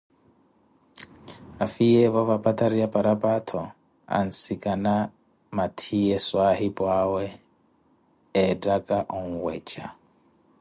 Afiyeevo vampatari ya paraphato ansikana mathiye swaahipuawe ettaka onweeja